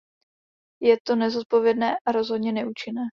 Je to nezodpovědné a rozhodně neúčinné.